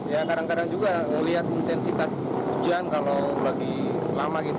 ya kadang kadang juga melihat intensitas hujan kalau lagi lama gitu